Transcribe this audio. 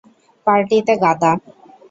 পার্টিতে, গাদা!